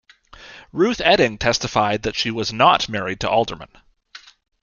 Ruth Etting testified that she was not married to Alderman.